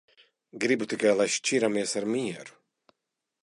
Gribu tikai, lai šķiramies ar mieru.